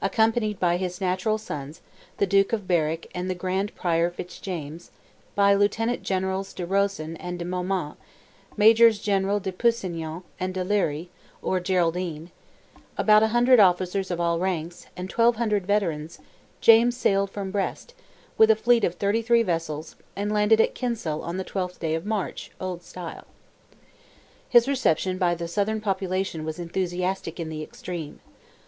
Accompanied by his natural sons, the Duke of Berwick and the Grand Prior Fitzjames, by Lieutenant Generals de Rosen and de Maumont, Majors General de Pusignan and de Lery (or Geraldine), about a hundred officers of all ranks, and 1,200 veterans, James sailed from Brest, with a fleet of 33 vessels, and landed at Kinsale on the 12th day of March (old style). His reception by the Southern population was enthusiastic in the extreme.